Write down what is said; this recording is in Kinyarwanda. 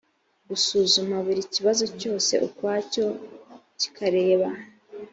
gusuzuma buri kibazo cyose ukwacyo kikareba